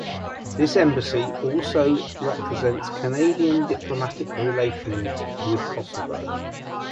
This embassy also represents Canadian diplomatic relations with Kosovo.